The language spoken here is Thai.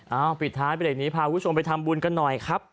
เอ้าปิดท้ายไปเดี๋ยวนี้พาผู้ชมไปทำบุญกันหน่อยครับ